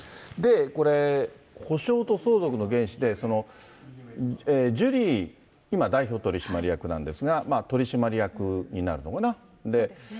これ、補償と相続の原資で、ジュリー、今、代表取締役なんですが、取締役になるのかな。